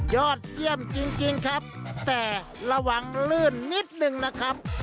ยอดเยี่ยมจริงครับแต่ระวังลื่นนิดนึงนะครับ